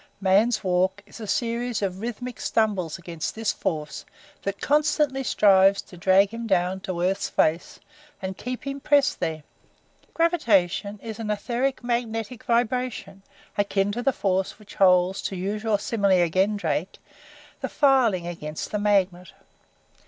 Man's walk is a series of rhythmic stumbles against this force that constantly strives to drag him down to earth's face and keep him pressed there. Gravitation is an etheric magnetic vibration akin to the force which holds, to use your simile again, Drake, the filing against the magnet.